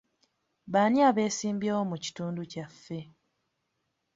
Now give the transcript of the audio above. Baani abeesimbyewo mu kitundu kyaffe?